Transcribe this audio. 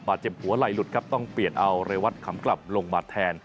เจ็บหัวไหล่หลุดครับต้องเปลี่ยนเอาเรวัตขำกลับลงมาแทน